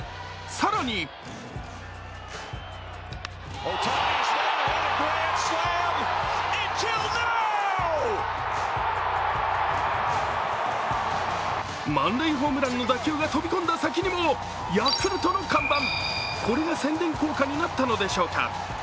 更に満塁ホームランの打球が飛び込んだ先にもヤクルトの看板、これが宣伝効果になったのでしょうか。